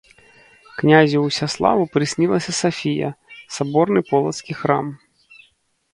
Князю Усяславу прыснілася Сафія, саборны полацкі храм.